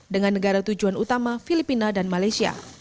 dengan negara tujuan utama filipina dan malaysia